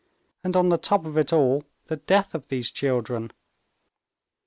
And on the top of it all, the death of these children."